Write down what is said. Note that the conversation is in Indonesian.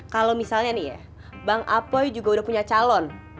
kalau misalnya nih ya bang apoy juga udah punya calon